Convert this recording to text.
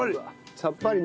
さっぱりね。